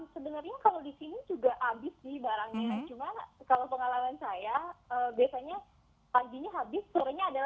sebenarnya kalau disini juga habis sih barangnya